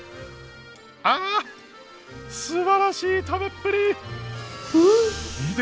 あすばらしい食べっぷり！んおいしい！